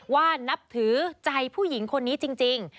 นับถือใจผู้หญิงคนนี้จริง